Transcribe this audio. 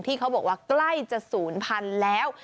ที่เขาบอกว่าใกล้จะ๐๐๐๐แล้ว